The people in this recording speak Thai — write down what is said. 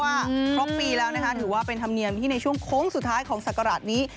ครบปีแล้วนะคะถือว่าเป็นธรรมเนียมที่ในช่วงโค้งสุดท้ายของศักราชนี้